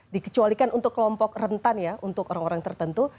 dikecualikan untuk kelompok rentan ya untuk orang orang tertentu